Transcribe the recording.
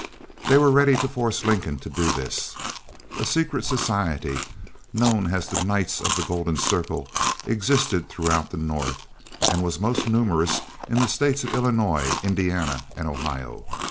They were ready to force Lincoln to do this. A secret society, known as the Knights of the Golden Circle, existed throughout the North, and was most numerous in the states of Illinois, Indiana, and Ohio.